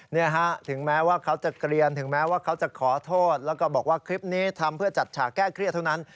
ถึงแม้ว่าเขาจะเกลียนถึงแม้ว่าเขาจะขอโทษแล้วก็บอกว่าคลิปนี้ทำเพื่อจัดฉากแก้เครียดเท่านั้น